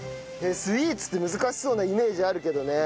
スイーツって難しそうなイメージあるけどね。